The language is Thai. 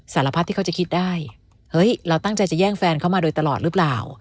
สารพัดที่เขาจะคิดได้เฮ้ยเราตั้งใจจะแย่งแฟนเขามาโดยตลอดหรือเปล่า